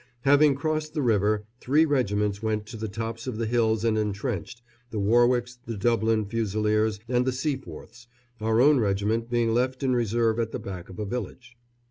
Having crossed the river, three regiments went to the tops of the hills and entrenched the Warwicks, the Dublin Fusiliers, and the Seaforths, our own regiment being left in reserve at the back of a village.